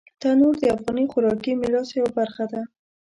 تنور د افغاني خوراکي میراث یوه برخه ده